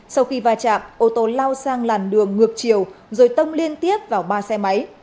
sau khi va chạm ô tô lao sang làn đường ngược chiều rồi tông liên tiếp vào ba xe máy